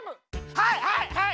はいはいはい！